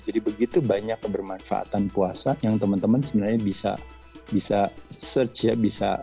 jadi begitu banyak kebermanfaatan puasa yang teman teman sebenarnya bisa search ya